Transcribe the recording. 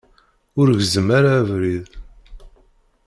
Ur gezzem ara abrid.